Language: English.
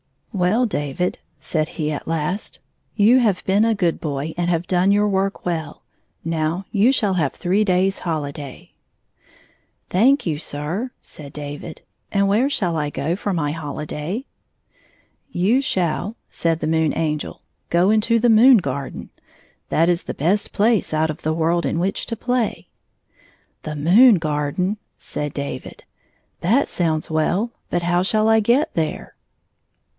'* Well, David," said he at last, " you have been a good boy and have done your work well. Now you shall have three days' hohday." "Thank you, sir," said David. "And where shall I go for my hohday ?"" You shall," said the Moon Angel, "go into the moon garden. That is the best place out of the world in which to play.." "The moon garden?" said David. "That sounds well, but how shall I get there